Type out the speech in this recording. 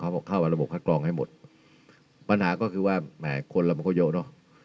เดี๋ยวเข้าไประบบคัดกรองให้หมดปัญหาก็คือว่านะคนมันก็โย่เนอะ